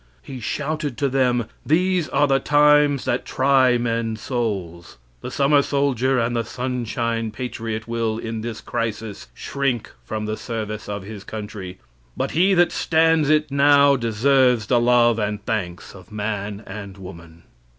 He shouted to them "These are the times that try men's souls." The summer soldier and the sunshine patriot, will, in this crisis, shrink from the service of his country; but he that stands it now deserves the love and thanks of man and woman.